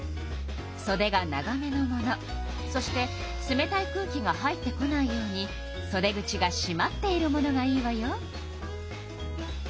そでが長めのものそして冷たい空気が入ってこないようにそで口がしまっているものがいいわよ。